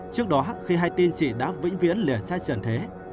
trước đó khi hai tin chị đã vĩnh viễn lìa sai trần thế